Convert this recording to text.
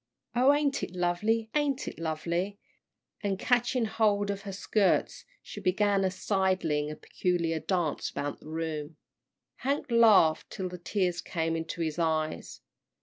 Oh, ain't it lovely, ain't it lovely?" and catching hold of her skirts she began a sidling and peculiar dance about the room. Hank laughed till the tears came into his eyes.